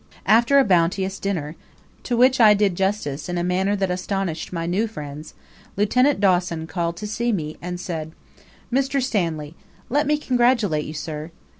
After a bounteous dinner, to which I did justice in a manner that astonished my new friends, Lieut. Dawson called to see me, and said: "Mr. Stanley, let me congratulate you, sir."